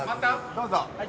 どうぞ。